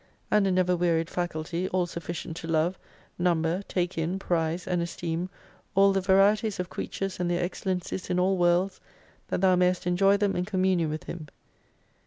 And a never wearied faculty all sufficient to love, number, take in, prize, and esteem all the varieties of creatures and their excel lencies in all worlds, that thou mayest enjoy them in communion with Him.